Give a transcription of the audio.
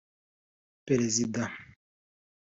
Perezida